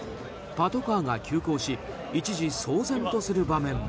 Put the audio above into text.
パトカーが急行し一時、騒然とする場面も。